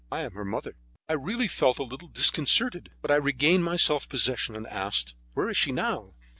I am her mother." I really felt a little disconcerted, but I regained my self possession, and asked: "Where is she now?"